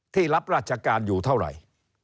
รับราชการอยู่เท่าไหร่